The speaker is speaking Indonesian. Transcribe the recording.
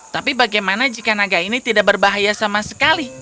tapi bagaimana jika naga ini tidak berbahaya sama sekali